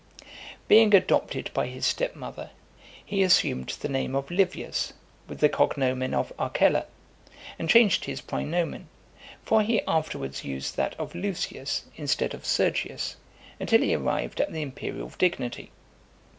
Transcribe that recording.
Being adopted by his step mother , he assumed the name of Livius, with the cognomen of Ocella, and changed his praenomen; for he afterwards used that of Lucius, instead of Sergius, until he arrived at the imperial dignity.